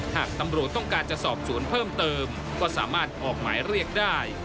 หากตำรวจต้องการจะสอบสวนเพิ่มเติมก็สามารถออกหมายเรียกได้